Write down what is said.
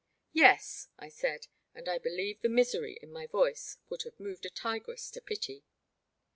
Yes,'* I said, and I believe the misery in my voice would have moved a tig^ss to pity.